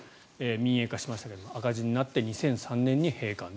民営化しましたけど赤字になって２００３年に閉館。